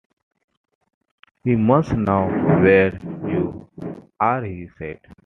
“We must know where you are,” he said.